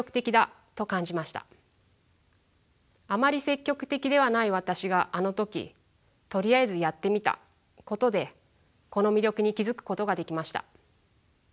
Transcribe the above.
あまり積極的ではない私があの時とりあえずやってみたことでこの魅力に気付くことができました。